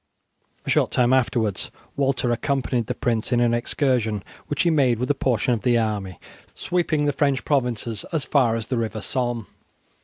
A short time afterwards Walter accompanied the prince in an excursion which he made with a portion of the army, sweeping the French provinces as far as the river Somme.